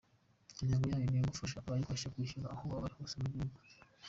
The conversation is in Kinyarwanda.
Intego yayo ni ugufasha abayikoresha kwishyura aho baba bari hose mu gihugu.